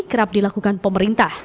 kerap dilakukan pemerintah